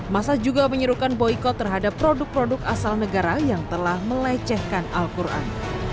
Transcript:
massa juga menyuruhkan boikot terhadap produk produk asal negara yang telah melecehkan al quran